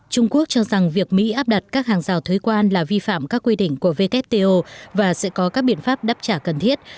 trung quốc cho rằng việc mỹ áp đặt các hàng rào thuế quan là vi phạm các quy định của wto và sẽ có các biện pháp đáp trả cần thiết